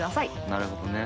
なるほどね。